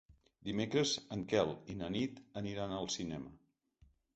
Dimecres en Quel i na Nit aniran al cinema.